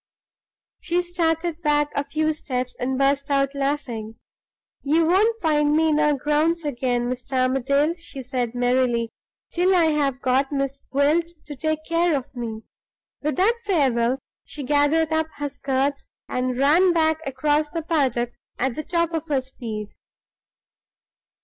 She started back a few steps, and burst out laughing. "You won't find me in our grounds again, Mr. Armadale," she said, merrily, "till I have got Miss Gwilt to take care of me!" With that farewell, she gathered up her skirts, and ran back across the paddock at the top of her speed.